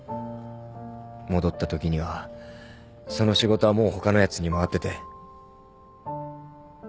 戻ったときにはその仕事はもう他のやつに回ってて。